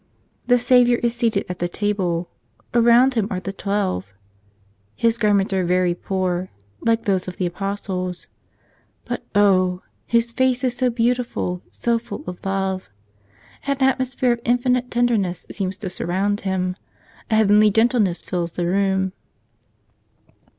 The Savior is seated at the table; around Him are the twelve. His garments are very poor, like thos6 of the Apostles, But oh ! His face is so beautiful, so full of love. An atmosphere of infinite tenderness seems to surround Him. A heavenly gentleness fills the room.